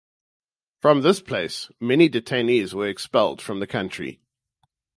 From this place many detainees were expelled from the country.